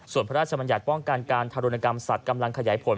ส่วนพระราชบัญญัติป้องกันการทารุณกรรมสัตว์กำลังขยายผล